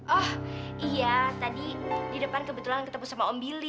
oh iya tadi di depan kebetulan ketemu sama om billy